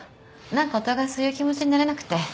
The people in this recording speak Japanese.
何かお互いそういう気持ちになれなくて。